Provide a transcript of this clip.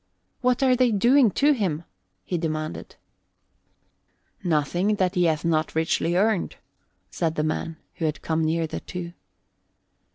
"What are they doing to him?" he demanded. "Nothing that he hath not richly earned," said the man who had come near the two.